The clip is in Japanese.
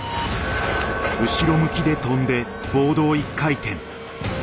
後ろ向きで跳んでボードを一回転。